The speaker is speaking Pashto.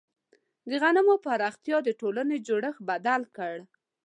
د غنمو پراختیا د ټولنې جوړښت بدل کړ.